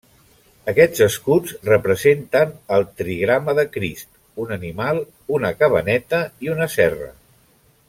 Aquests escuts representen el trigrama de Crist, un animal, una cabaneta i una serra.